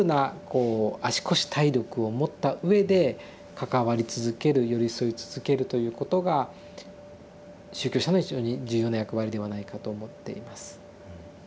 こう足腰体力を持ったうえで関わり続ける寄り添い続けるということが宗教者の非常に重要な役割ではないかと思っています。